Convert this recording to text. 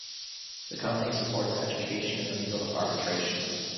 The Company supports education in the field of arbitration.